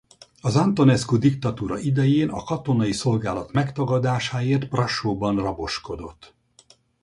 Az Antonescu-diktatúra idején a katonai szolgálat megtagadásáért Brassóban raboskodott.